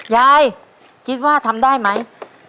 ยายคิดว่าทำได้ไหม